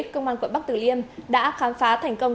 công an quận bắc tử liêm đã khám phá thành công